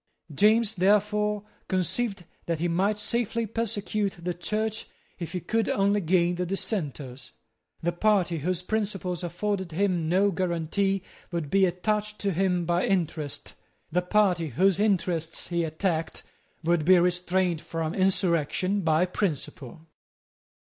James, therefore, conceived that he might safely persecute the Church if he could only gain the Dissenters. The party whose principles afforded him no guarantee would be attached to him by interest. The party whose interests he attacked would be restrained from insurrection by principle.